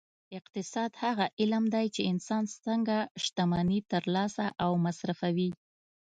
اقتصاد هغه علم دی چې انسان څنګه شتمني ترلاسه او مصرفوي